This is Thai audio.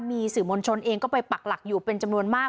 มีสื่อมวลชนเองก็ไปปักหลักอยู่เป็นจำนวนมาก